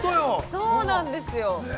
◆そうなんですよ。